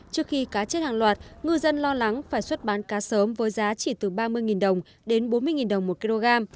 trước khi cá chết hàng loạt ngư dân lo lắng phải xuất bán cá sớm với giá chỉ từ ba mươi đồng đến bốn mươi đồng một kg